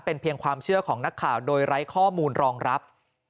เป็นเพียงความเชื่อของนักข่าวโดยไร้ข้อมูลรองรับ